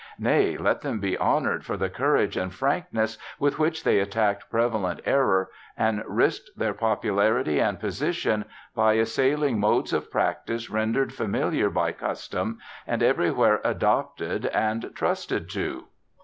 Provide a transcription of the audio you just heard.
Nay, let them be honoured for the courage and frankness with which they attacked prevalent error, and risked their popularity and position by assailing modes of practice rendered familiar by custom, and everywhere adopted and trusted to.'